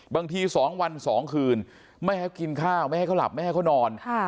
๒วัน๒คืนไม่ให้กินข้าวไม่ให้เขาหลับไม่ให้เขานอน